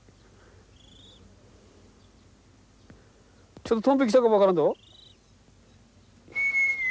ちょっとトンビ来たかも分からんぞ。